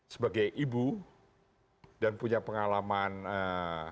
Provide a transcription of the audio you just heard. sebagai ibu dan punya pengalaman eee